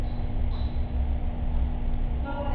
维朗涅尔人口变化图示